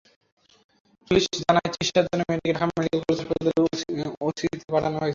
Police জানায়, চিকিৎসার জন্য মেয়েটিকে ঢাকা মেডিকেল কলেজ হাসপাতালের ওসিসিতে পাঠানো হয়েছে।